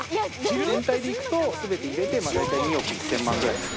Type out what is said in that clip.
全体でいくと、すべて入れて大体２億１０００万ぐらいですかね。